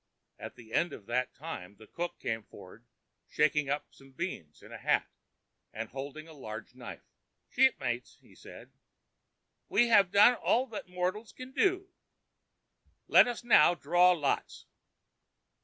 At the end of that time the cook came for'd shaking up some beans in a hat, and holding a large knife. "Shipmates," said he, "we have done all that mortals can do. Let us now draw lots."